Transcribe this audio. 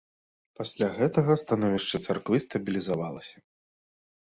Пасля гэтага становішча царквы стабілізавалася.